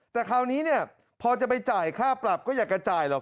แต่คราวนี้เนี่ยพอจะไปจ่ายค่าปรับก็อยากจะจ่ายหรอก